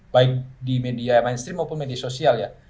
baik di media mainstream maupun media sosial ya